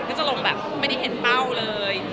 ก็จะลงแบบไม่ได้เห็นเป้าเลย